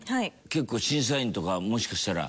結構審査員とかもしかしたら。